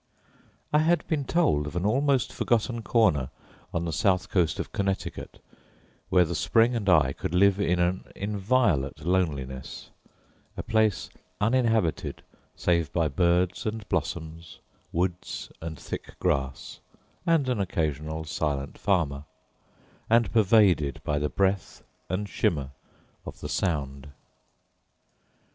I had been told of an almost forgotten corner on the south coast of Connecticut, where the spring and I could live in an inviolate loneliness a place uninhabited save by birds and blossoms, woods and thick grass, and an occasional silent farmer, and pervaded by the breath and shimmer of the Sound.